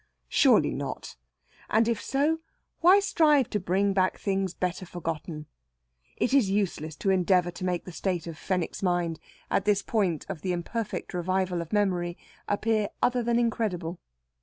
Surely not. And if so, why strive to bring back things better forgotten? It is useless to endeavour to make the state of Fenwick's mind, at this point of the imperfect revival of memory, appear other than incredible.